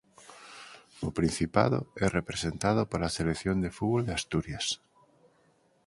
O Principado é representado pola Selección de fútbol de Asturias.